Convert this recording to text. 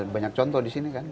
banyak contoh di sini kan